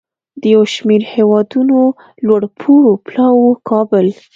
د یو شمیر هیوادونو لوړپوړو پلاوو کابل